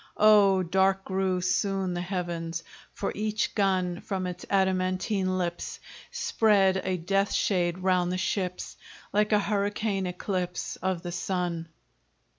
Oh, dark grew soon the heavens For each gun From its adamantine lips Spread a death shade round the ships, Like a hurricane eclipse Of the sun.